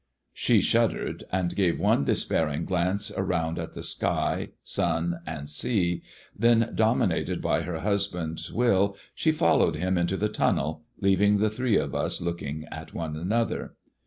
She shuddered, and gave one despairing glance around M> sky, sun, and sea, then, dominated by her husband's will, she followed him into the tunnel, leaving the three of us looking at one another.